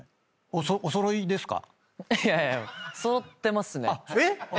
いやいや揃ってますね。